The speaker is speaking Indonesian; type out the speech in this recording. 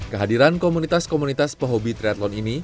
kehadiran komunitas komunitas pehobi triathlon ini